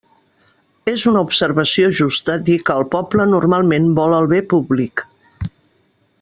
És una observació justa dir que el poble normalment vol el bé públic.